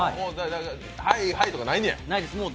はいはい、とかないねや？